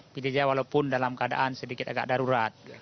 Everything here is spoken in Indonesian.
pilih saja walaupun dalam keadaan sedikit agak darurat